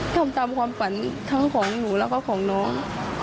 ทำตามความฝันทั้งของหนูแล้วก็ของน้อง